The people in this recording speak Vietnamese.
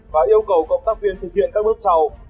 và yêu cầu cộng tác viên thực hiện các bước sau